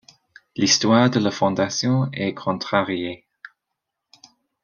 L'histoire de la fondation est contrariée.